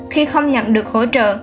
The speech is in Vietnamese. khi không nhận được hỗ trợ